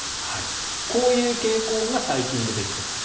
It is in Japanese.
こういう傾向が最近出てきています。